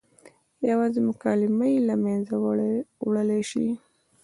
یوازې مکالمه یې له منځه وړلی شي.